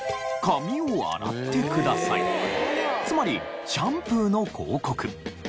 つまりシャンプーの広告。